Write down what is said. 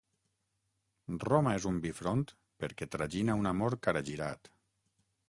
Roma és un bifront perquè tragina un Amor caragirat.